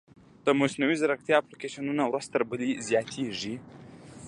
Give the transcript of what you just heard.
د مصنوعي ځیرکتیا اپلیکیشنونه ورځ تر بلې زیاتېږي.